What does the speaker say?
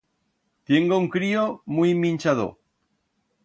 Tiengo un crío muit minchador.